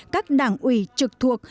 các đảng ủy trực thuộc